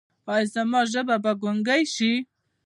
ایا زما ژبه به ګونګۍ شي؟